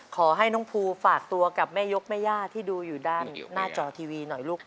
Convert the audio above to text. ขอให้น้องภูฝากตัวกับแม่ยกแม่ย่าที่ดูอยู่ด้านหน้าจอทีวีหน่อยลูก